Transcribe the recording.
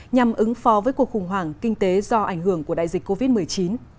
nhằm ứng phó với cuộc khủng hoảng kinh tế do ảnh hưởng của đại dịch covid một mươi chín